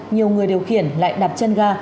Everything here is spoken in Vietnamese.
nhiều người điều khiển lại đạp chân ga